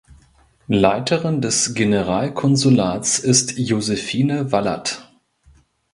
Leiterin des Generalkonsulats ist Josefine Wallat.